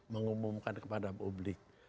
mengumumkan kepada publik